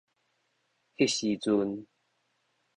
彼時陣